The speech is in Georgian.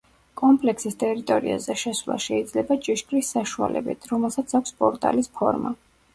კომპლექსის ტერიტორიაზე შესვლა შეიძლება ჭიშკრის საშუალებით, რომელსაც აქვს პორტალის ფორმა.